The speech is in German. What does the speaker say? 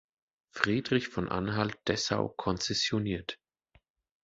Friedrich von Anhalt-Dessau konzessioniert.